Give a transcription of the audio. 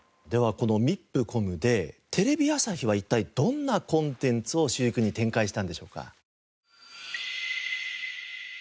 このＭＩＰＣＯＭでテレビ朝日は一体どんなコンテンツを主軸に展開したんでしょうか？